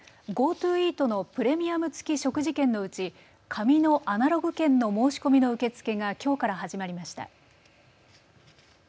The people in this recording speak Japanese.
ＧｏＴｏイートのプレミアム付き食事券のうち紙のアナログ券の申し込みの受け付けがきょうから始まりました。